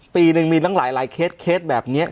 ปีหนึ่งมีตั้งหลายเคสเคสแบบนี้